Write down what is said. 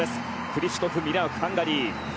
クリシュトフ・ミラークハンガリー。